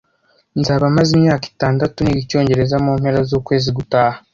Nzaba maze imyaka itandatu niga icyongereza mu mpera z'ukwezi gutaha.